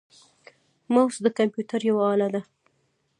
موس د کمپیوټر یوه اله ده.